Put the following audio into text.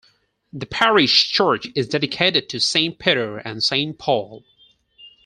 The parish church is dedicated to Saint Peter and Saint Paul.